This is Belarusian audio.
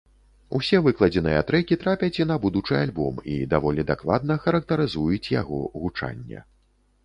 Усе выкладзеныя трэкі трапяць і на будучы альбом і даволі дакладна характарызуюць яго гучанне.